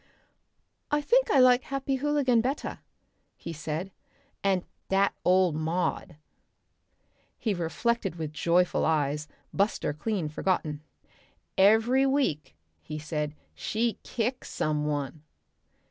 "I think I like Happy Hooligan better," he said. "And dat ole Maud." He reflected with joyful eyes, Buster clean forgotten. "Every week," he said, "she kicks some one."